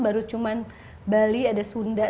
baru cuma bali ada sunda